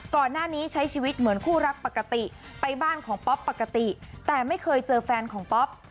ก่อนหน้านี้ใช้ชีวิตเหมือนคู่รักปกติไปบ้านของป๊อปปกติแต่ไม่เคยเจอแฟนของป๊อป